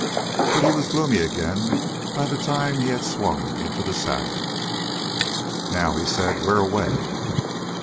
But he was gloomy again by the time he had swung into the saddle. "Now," he said, "where away?"